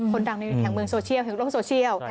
ดังในแห่งเมืองโซเชียลแห่งโลกโซเชียล